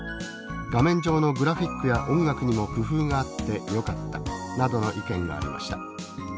画面上のグラフィックや音楽にも工夫があってよかった」などの意見がありました。